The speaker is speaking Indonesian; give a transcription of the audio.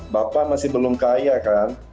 bapak masih belum kaya kan